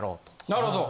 なるほど。